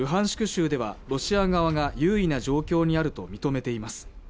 州ではロシア側が優位な状況にあると認めています